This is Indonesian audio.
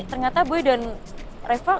ternyata bu dan reva